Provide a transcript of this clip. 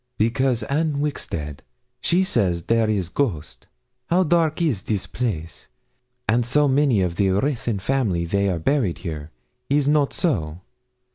'Because Anne Wixted she says there is ghost. How dark is this place! and so many of the Ruthyn family they are buried here is not so?